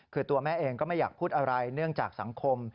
คือตัวแม่เองก็ไม่อยากพูดอะไรเนื่องจากสังคม